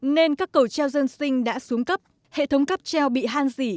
nên các cầu treo dân sinh đã xuống cấp hệ thống cấp treo bị han rỉ